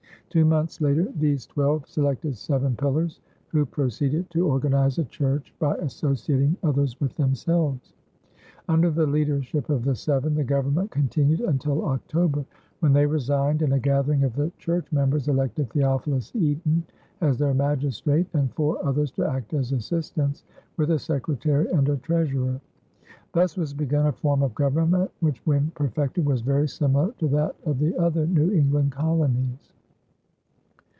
Two months later these twelve selected "seven pillars" who proceeded to organize a church by associating others with themselves. Under the leadership of the seven the government continued until October, when they resigned and a gathering of the church members elected Theophilus Eaton as their magistrate and four others to act as assistants, with a secretary and a treasurer. Thus was begun a form of government which when perfected was very similar to that of the other New England colonies.